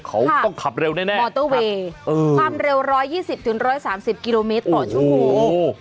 เขาต้องขับเร็วแน่มอเตอร์เวย์ความเร็ว๑๒๐๑๓๐กิโลเมตรต่อชั่วโมง